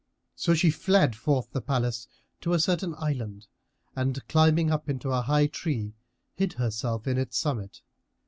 So she fled forth the palace to a certain island, and climbing up into a high tree, hid herself in its summit.